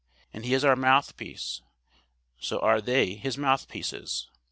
As he is our mouthpiece, so are they his mouthpieces.